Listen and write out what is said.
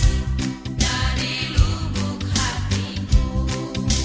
diberikannya yang terbaik bagiku